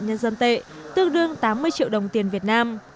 nhân dân tệ tương đương tám mươi triệu đồng tiền việt nam